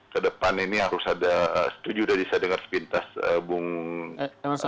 ke depan ini harus ada setuju dari saya dengar sepintas bung emerson